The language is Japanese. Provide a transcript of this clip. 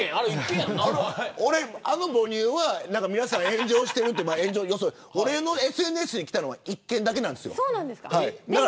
あの母乳は皆さん、炎上してると言うけど俺のＳＮＳに来たのはそうなんですか。